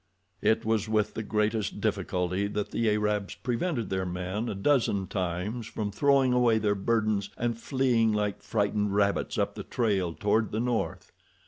It was with the greatest difficulty that the Arabs prevented their men a dozen times from throwing away their burdens and fleeing like frightened rabbits up the trail toward the north.